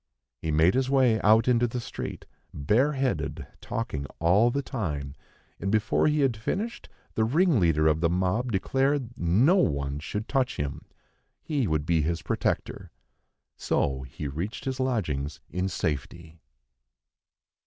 He made his way out into the street bare headed, talking all the time; and before he had finished, the ringleader of the mob declared no one should touch him, he would be his protector. So he reached his lodgings in safety.